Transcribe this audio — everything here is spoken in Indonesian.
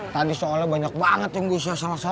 tadi soalnya banyak banget yang gue sia sia